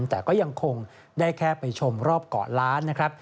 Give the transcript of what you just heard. แต่ก็ยังคงได้แค่ไปชมรอบเกาะล้านนะครับ